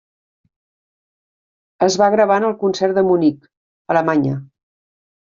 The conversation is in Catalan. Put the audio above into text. Es va gravar en el concert de Munic, Alemanya.